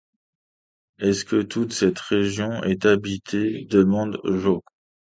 Est-ce que toute cette région est habitée? demanda Joe.